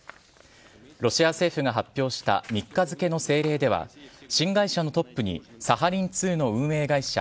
ロシア政府が発表した３日付の政令では新会社のトップにサハリン２の運営会社